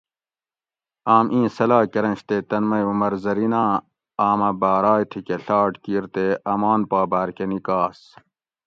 آم ایں صلاح کۤرنش تے تن مئی عمر زریناں آمہ بارائے تھیکہ ڷاٹ کیر تے آمان پا باۤر کہ نِکاس